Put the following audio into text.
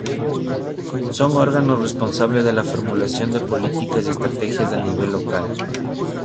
Son los órganos responsables de la formulación de políticas y estrategias a nivel local.